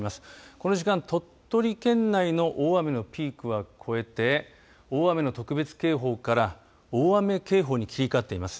この時間、鳥取県内の大雨のピークは越えて大雨の特別警報から大雨警報に切り替わっています。